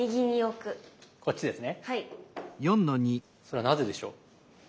それはなぜでしょう？